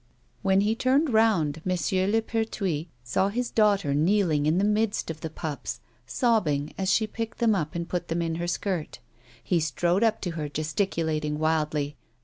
When he turned round, M. Le Perthuis sav his daughter kneeling in the midst of the pups, sobbing as she picked A WOMAN'S LITE. 181 them up and put them in her skirt. He strode up to her, gesticulating wildly.